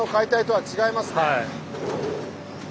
はい。